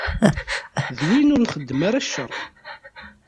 D win ur nxeddem ara ccer.